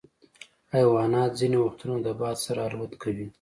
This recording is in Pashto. حیوانات ځینې وختونه د باد سره الوت کوي.